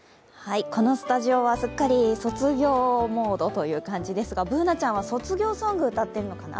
このスタジオはすっかり卒業モードという感じですがＢｏｏｎａちゃんは卒業ソングを歌ってるのかな。